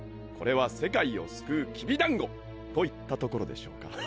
これは世界を救うきび団子と言ったところでしょうか！？